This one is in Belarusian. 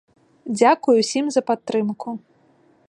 Дзякуй усім за падтрымку!